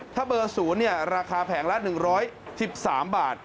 ถ้าเบอร์๐ราคาแผงละ๑๑๓บาท